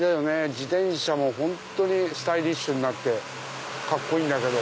自転車も本当にスタイリッシュになってカッコいいんだけど。